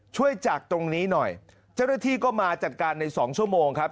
ช่วยจากตรงนี้หน่อยเจ้าหน้าที่ก็มาจัดการในสองชั่วโมงครับ